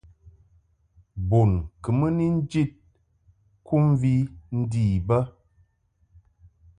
Bun kɨ mɨ ni njid kɨmvi ndi bə.